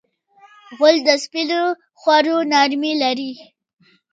غول د سپینو خوړو نرمي لري.